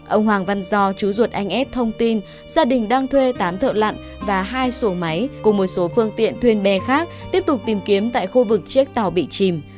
ông hoàng văn do chú ruột anh as thông tin gia đình đang thuê tám thợ lặn và hai xuồng máy cùng một số phương tiện thuyền bè khác tiếp tục tìm kiếm tại khu vực chiếc tàu bị chìm